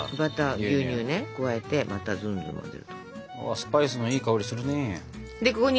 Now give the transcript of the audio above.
スパイスのいい香りするね。